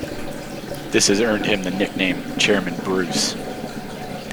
This has earned him the nickname "Chairman Bruce".